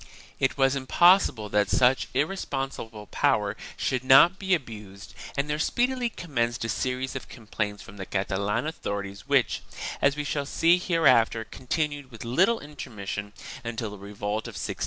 It was impossible that such irresponsible power should not be abused and there speedily commenced a series of complaints from the Catalan authorities which, as we shall see hereafter, continued with little intermission until the revolt of 1640.